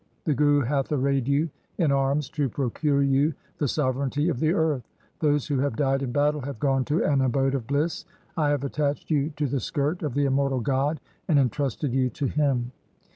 The Guru hath arrayed you in arms to procure you the sovereignty of the earth. Those who have died in battle have gone to an abode of bliss. I have attached you to the skirt of the immortal God and entrusted you to Him.